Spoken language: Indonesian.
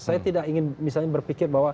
saya tidak ingin misalnya berpikir bahwa